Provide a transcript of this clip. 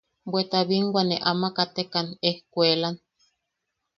Bweta binwa ne ama katekan ejkuelan.